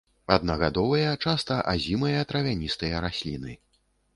Аднагадовыя, часта азімыя травяністыя расліны.